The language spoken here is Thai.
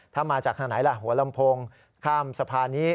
ถ้ามาจากทางไหนล่ะหัวลำโพงข้ามสะพานนี้